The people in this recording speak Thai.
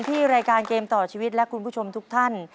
ที่รายการเกมต่อชีวิตและคุณผู้ชมทุกท่าน